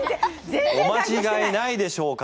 お間違えないでしょうか？